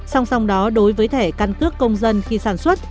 song song đó đối với thẻ căn cước công dân khi sản xuất